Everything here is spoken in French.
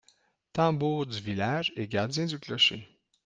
Tambour du village et gardien du clocher…